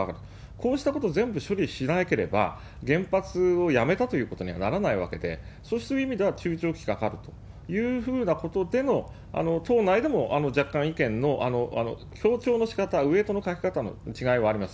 こうしたことを全部処理しなければ、原発をやめたということにはならないわけで、そうした意味では、中長期かかるということの意味でも、党内でも若干意見の強調のしかた、ウエートのかけ方の違いはあります。